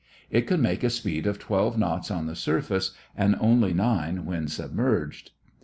It could make a speed of 12 knots on the surface and only 9 when submerged.